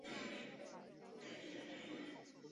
小距紫堇为罂粟科紫堇属下的一个种。